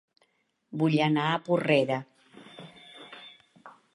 Vull anar a Porrera